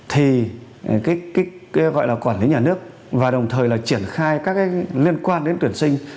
thì gọi là quản lý nhà nước và đồng thời là triển khai các liên quan đến tuyển sinh